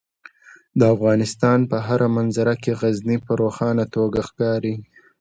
د افغانستان په هره منظره کې غزني په روښانه توګه ښکاري.